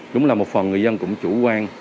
chúng là một phần người dân cũng chủ quan